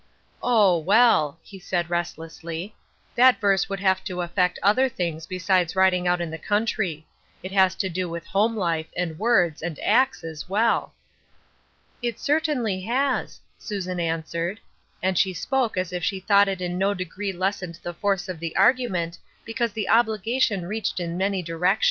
" Oh, well," he said, restlessly, " that verse would have to affect other things besides riding out in the country ; it has to do with home lifo, and words, and acts, as well." " It certainly has," Susan answered. And she spoke as if she thought it in no degree lessened the force of the argument, because the obligation reached in many directions.